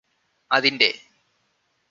അതിന്റെ